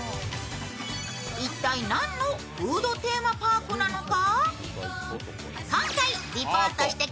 一体、何のフードテーマパークなのか？